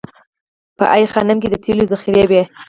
په ای خانم کې د تیلو ذخیرې وې